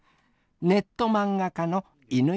ネット漫画家の犬犬さん。